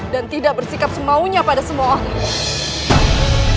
dan tidak bersikap semaunya pada semua orang